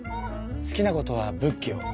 好きなことは仏教。